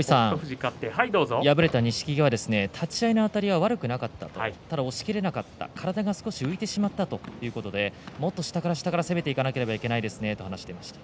敗れた錦木は立ち合いのあたりは悪くなかったただ押しきれなかった体が少し浮いてしまったということでもっと下から下から攻めていかなければいけないですねと話していました。